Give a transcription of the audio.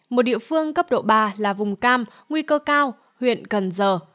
một địa phương cấp độ ba là vùng cam nguy cơ cao huyện cần giờ